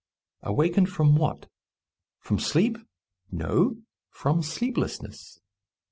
Awakened from what? from sleep? no, from sleeplessness.